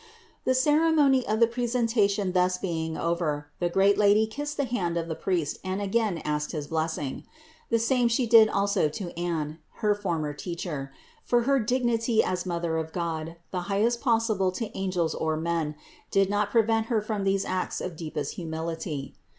602. The ceremony of the presentation thus being over, the great Lady kissed the hand of the priest and again asked his blessing. The same She did also to Anne, her former teacher; for her dignity as Mother of God, the highest possible to angels or men, did not prevent Her from these acts of deepest humility.